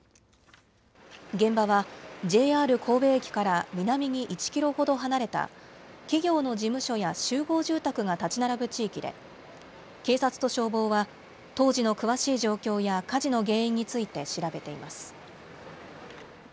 現場は、ＪＲ神戸駅から南に１キロほど離れた、企業の事務所や集合住宅が建ち並ぶ地域で、警察と消防は、当時の詳しく状況や火事の原因について調べています。